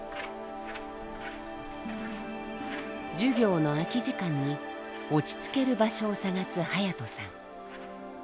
授業の空き時間に落ち着ける場所を探す隼さん。